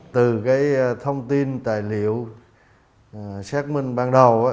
từ thông tin tài liệu xác minh ban đầu